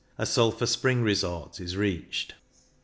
a sulphur spring resort, is reached.